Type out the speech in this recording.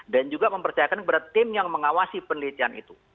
dan juga mempercayakan kepada tim yang mengawasi penelitian itu